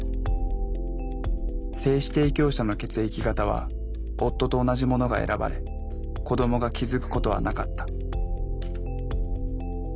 精子提供者の血液型は夫と同じものが選ばれ子どもが気付くことはなかった。